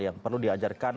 yang perlu diajarkan